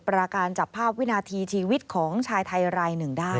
ราการจับภาพวินาทีชีวิตของชายไทยรายหนึ่งได้